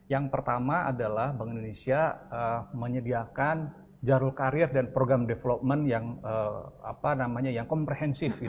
yang pertama adalah bank indonesia menyediakan jarul karir dan program development yang komprehensif